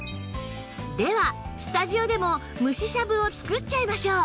ではスタジオでも蒸ししゃぶを作っちゃいましょう